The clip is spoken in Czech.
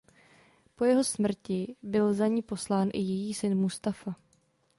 Po jeho smrti byl za ní poslán i její syn Mustafa.